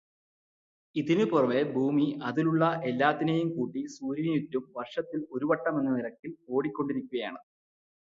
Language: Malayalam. ഇതിനുപുറമെ ഭൂമി അതിലുള്ള എല്ലാത്തിനെയും കൂട്ടി സൂര്യനു ചുറ്റും വർഷത്തിൽ ഒരു വട്ടം എന്ന നിരക്കിൽ ഓടിക്കൊണ്ടിരിക്കുകയാണ്.